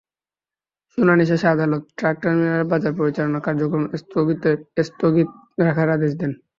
শুনানি শেষে আদালত ট্রাক টার্মিনালে বাজার পরিচালনা কার্যক্রম স্থগিত রাখার আদেশ দেন।